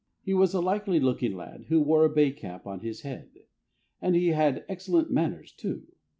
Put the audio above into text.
He was a likely looking lad, who wore a bay cap on his head. And he had excellent manners, too.